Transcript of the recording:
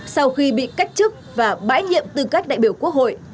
sau khi bị cách chức và bãi nhiệm tư cách đại biểu quốc hội